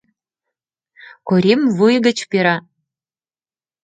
Корим вуй гыч пера...